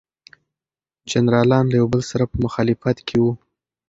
جنرالان له یو بل سره په مخالفت کې وو.